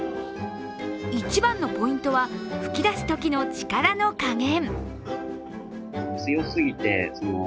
一番のポイントは吹き出すときの力の加減。